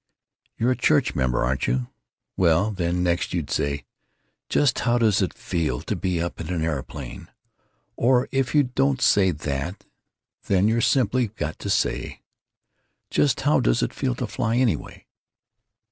You're a church member, aren't you? Well then, next you'd say, 'Just how does it feel to be up in an aeroplane?' or if you don't say that then you've simply got to say, 'Just how does it feel to fly, anyway?'